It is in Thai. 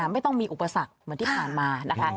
ไม่ต้องมีอุปสรรคเหมือนที่ผ่านมานะคะ